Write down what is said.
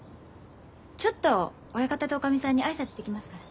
ちょっと親方とおかみさんに挨拶してきますから。